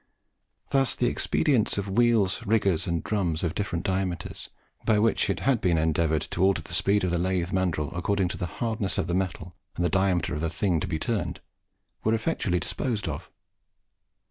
Thus the expedients of wheels, riggers, and drums, of different diameters, by which it had been endeavoured to alter the speed of the lathe mandrill, according to the hardness of the metal and the diameter of the thing to be turned, were effectually disposed of.